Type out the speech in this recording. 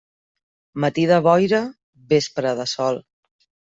Matí de boira, vespre de sol.